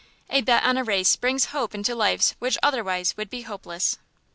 A bet on a race brings hope into lives which otherwise would be hopeless.